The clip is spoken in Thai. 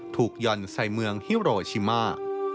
หย่อนใส่เมืองฮิโรชิมา